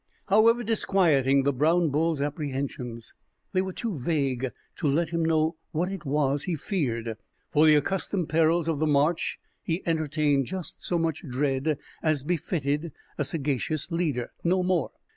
However disquieting the brown bull's apprehensions, they were too vague to let him know what it was he feared. For the accustomed perils of the march he entertained just so much dread as befitted a sagacious leader no more.